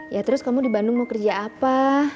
ya terus kamu di bandung mau kerja apa